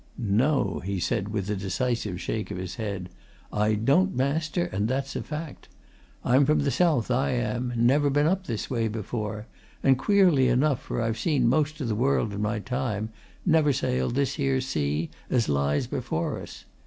"No!" he said, with a decisive shake of his head. "I don't, master, and that's a fact. I'm from the south, I am never been up this way before, and, queerly enough, for I've seen most of the world in my time, never sailed this here sea as lies before us.